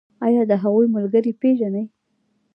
ایا د هغوی ملګري پیژنئ؟